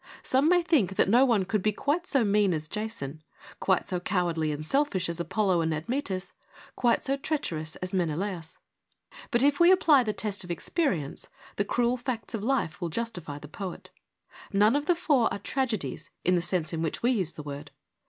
Some may think that no one could be quite so mean as Jason, quite so cowardly and selfish as Apollo and Admetus, quite so treacherous as Menelaus ; but if we apply the test of experience, the cruel facts of life will justify the poet. None of the four are ' tragedies,' in the sense in which we use the word.